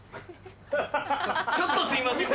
ちょっとすいません。